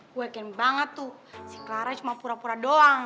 gue yakin banget tuh si clarage cuma pura pura doang